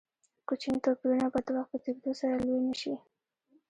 کوچني توپیرونه به د وخت په تېرېدو سره لوی نه شي.